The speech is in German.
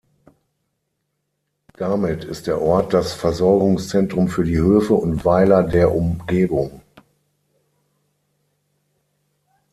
Damit ist der Ort das Versorgungszentrum für die Höfe und Weiler der Umgebung.